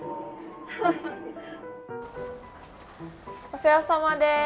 お世話さまです。